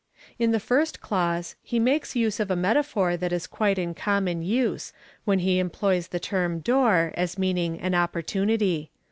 '' In the first clause, he makes use of a metaphor that is quite in common use, when he employs the term door as meaning an opportunity.